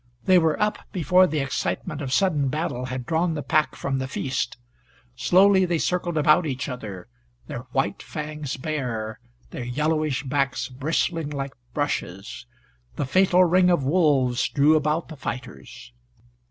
They were up before the excitement of sudden battle had drawn the pack from the feast. Slowly they circled about each other, their white fangs bare, their yellowish backs bristling like brushes. The fatal ring of wolves drew about the fighters.